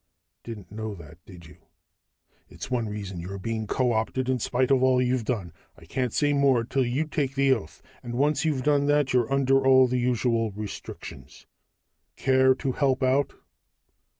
"Didn't know that, did you? It's one reason you're being co opted, in spite of all you've done. "I can't say more till you take the oath, and once you've done that you're under all the usual restrictions. Care to help out?"